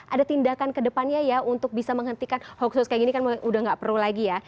ada tindakan ke depannya ya untuk bisa menghentikan hoax kayak gini kan udah nggak perlu lagi ya